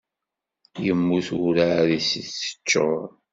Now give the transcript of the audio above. Immut urɛad i s-teččuṛ.